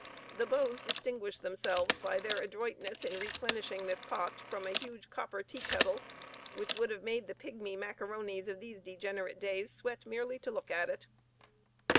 The beaux distinguished themselves by their adroitness in replenishing this pot from a huge copper tea kettle, which would have made the pigmy macaronies of these degenerate days sweat merely to look at it.